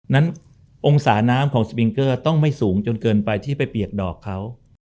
มองศาน้ำของสปิงเกอร์ต้องไม่สูงจนเกินไปที่ไปเปียกดอกเขา